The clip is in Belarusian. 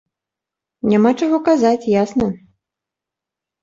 Няма чаго сказаць, ясна.